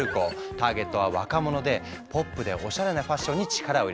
ターゲットは若者でポップでおしゃれなファッションに力を入れた。